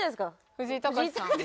藤井隆さん。